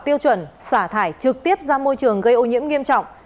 tiêu chuẩn xả thải trực tiếp ra môi trường gây ô nhiễm nghiêm trọng